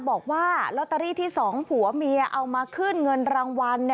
บอกว่าลอตเตอรี่ที่สองผัวเมียเอามาขึ้นเงินรางวัล